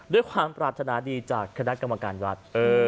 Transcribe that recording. ด้วยความปรารถนาดีจากคณะกรรมการวัด